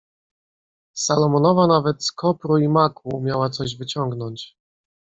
"Salomonowa nawet z kopru i maku umiała coś wyciągnąć."